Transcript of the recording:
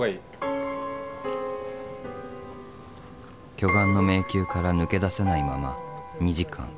巨岩の迷宮から抜け出せないまま２時間。